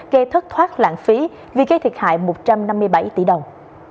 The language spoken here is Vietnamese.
gây thất thoát lãng phí vì gây thiệt hại một trăm năm mươi bảy tỷ đồng